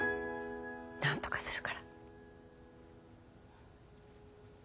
なんとかするから。